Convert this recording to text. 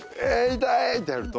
痛ーいってやると。